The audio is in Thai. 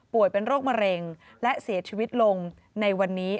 เป็นโรคมะเร็งและเสียชีวิตลงในวันนี้